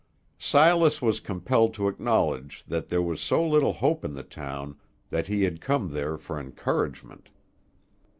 Silas was compelled to acknowledge that there was so little hope in the town that he had come there for encouragement.